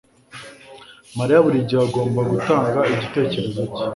Mariya buri gihe agomba gutanga igitekerezo cye